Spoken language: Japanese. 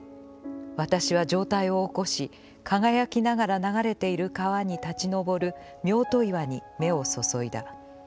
私は上躰を起こし、輝きながら流れている川に立ち上るミョート岩に目をそそいだ。